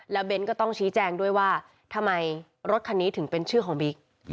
เบ้นก็ต้องชี้แจงด้วยว่าทำไมรถคันนี้ถึงเป็นชื่อของบิ๊ก